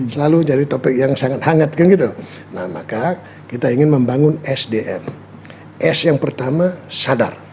selalu jadi topik yang sangat hangat kan gitu nah maka kita ingin membangun sdm s yang pertama sadar